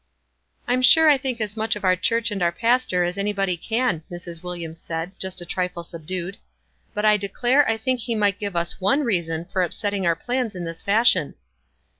" I'm sure I think as much of our church and our pastor as anybody can," Mrs. Williams said, just a trifle subdued ; "but I declare I think he might give us one reason for upsetting our plans in this fashion."